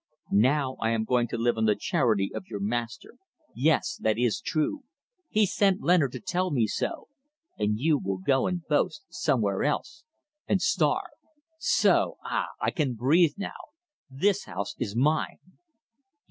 Now I am going to live on the charity of your master. Yes. That is true. He sent Leonard to tell me so. And you will go and boast somewhere else, and starve. So! Ah! I can breathe now! This house is mine."